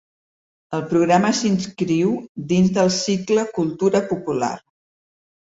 El programa s’inscriu dins del cicle Cultura popular.